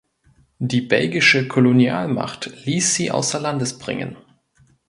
Die belgische Kolonialmacht ließ sie außer Landes bringen.